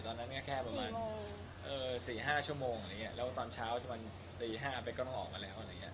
ตอนนั้นก็แค่ประมาณ๔๕ชั่วโมงแล้วตอนเช้าตอนตี๕เบ๊กก็ต้องออกมาแล้ว